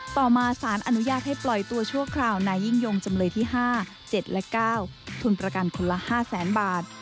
ต่อมาสารอนุญาตให้ปล่อยตัวชั่วคราวนายยิ่งยงจำเลยที่๕๗และ๙ทุนประกันคนละ๕แสนบาท